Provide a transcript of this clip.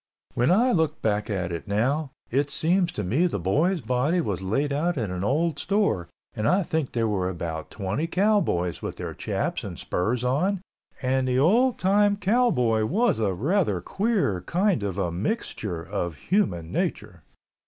When I look back at it now, it seems to me the boy's body was laid out in an old store and I think there were about twenty cowboys with their chaps and spurs on and the old time cowboy was a rather queer kind of a mixture of human nature.